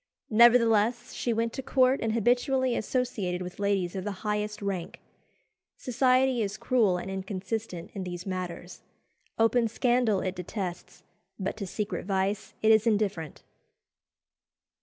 Nevertheless, she went to court and habitually associated with ladies of the highest rank. Society is cruel and inconsistent in these matters. Open scandal it detests, but to secret vice it is indifferent.